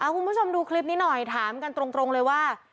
คุณผู้ชมดูคลิปนี้หน่อยถามกันตรงเลยว่า